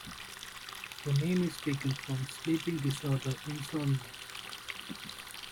The name is taken from the sleeping disorder insomnia.